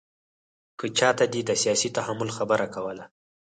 که چاته دې د سیاسي تحمل خبره کوله.